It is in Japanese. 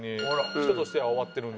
人としては終わってるんで。